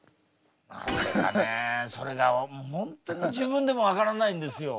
なぜかねえそれが本当に自分でも分からないんですよ。